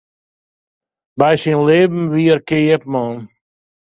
By syn libben wie er keapman.